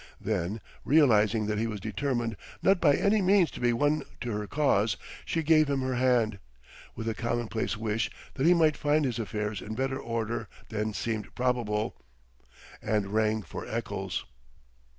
Then, realizing that he was determined not by any means to be won to her cause, she gave him her hand, with a commonplace wish that he might find his affairs in better order than seemed probable; and rang for Eccles.